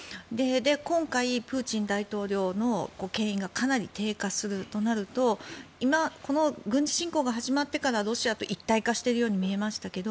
今回、プーチン大統領の権威がかなり低下するとなるとこの軍事侵攻が始まってからロシアと一体化しているように見えましたけど